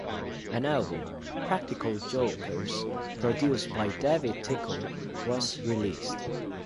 An album, "Practical Jokers", produced by David Tickle, was released.